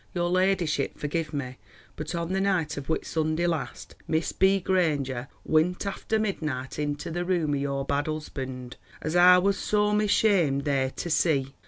Your ladishipp forgif me but on the nite of whittsundey last Miss B. Grainger wint after midnite inter the room of your bad usband—as I was to mi sham ther to se.